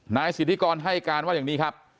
นายสิทธิกรให้การว่าอย่างนี้ครับ